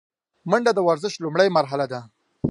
منډه د ورزش لومړۍ مرحله ده